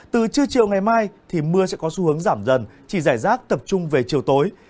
từ trưa chiều ngày mai thì mưa sẽ có xu hướng giảm dần chỉ giải rác tập trung về chiều tối